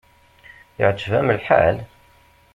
Iɛǧeb-am lḥal?